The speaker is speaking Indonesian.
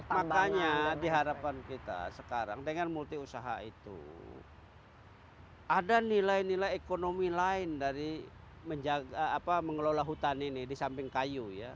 makanya di harapan kita sekarang dengan multi usaha itu ada nilai nilai ekonomi lain dari menjaga mengelola hutan ini di samping kayu ya